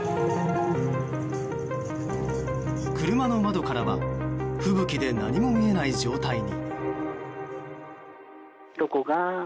車の窓からは吹雪で何も見えない状態に。